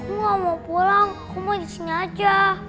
aku gak mau pulang aku mau di sini aja